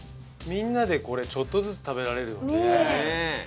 みんなでこれちょっとずつ食べられるよね。